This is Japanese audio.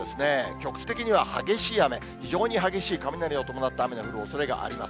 局地的には激しい雨、非常に激しい雷を伴った雨の降るおそれがあります。